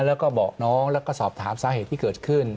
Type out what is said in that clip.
แล้วก็บอกน้องแล้วก็สอบถามสาเหตุที่เกิดขึ้น